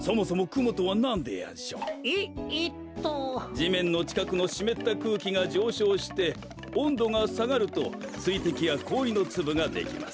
じめんのちかくのしめったくうきがじょうしょうしておんどがさがるとすいてきやこおりのつぶができます。